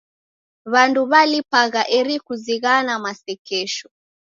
W'andu w'alipagha eri kuzighana masekesho.